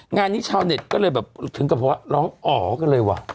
งานนี้ชาวเน็ตก็เลยแบบถึงกับว่าร้องอ๋อกันเลยว่ะ